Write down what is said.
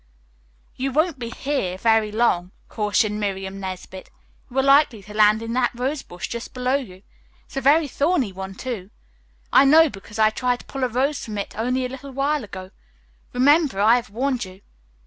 "You won't be 'here' very long," cautioned Miriam Nesbit. "You are likely to land in that rose bush just below you. It's a very thorny one, too. I know, because I tried to pull a rose from it only a little while ago. Remember, I have warned you."